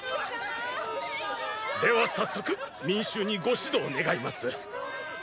では早速民衆にご指導願います。